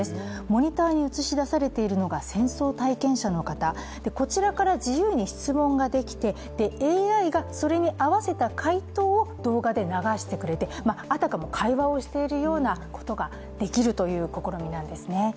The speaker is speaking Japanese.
モニターに映し出されているのが戦争体験者の方、こちらから自由に質問ができてＡＩがそれに合わせた回答を動画で流してくれてあたかも会話をしているようなことができるという試みなんですね。